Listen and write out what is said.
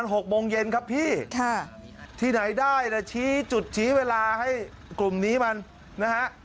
หกโมงเย็นครับพี่ค่ะที่ไหนได้ล่ะชี้จุดชี้เวลาให้กลุ่มนี้มันนะฮะ